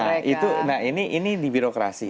nah itu nah ini di birokrasi